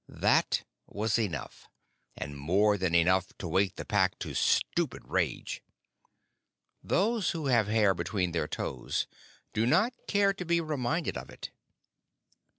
That was enough, and more than enough, to wake the Pack to stupid rage. Those who have hair between their toes do not care to be reminded of it.